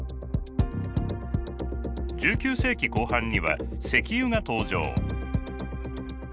１９世紀後半には石油が登場。